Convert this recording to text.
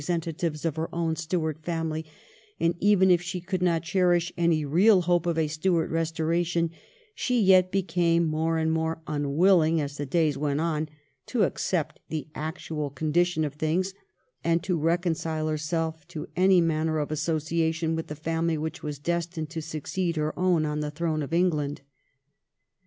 269 sentatives of her own Stuart family, and even if she could not cherish any real hope of a Stuart restora tion, she yet became more and more unwilling, as the days went on, to accept the actual condition of things, and to reconcile herself to any manner of association with the family which was destined to succeed her own on the throne of England.